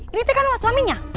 ini tuh kan rumah suaminya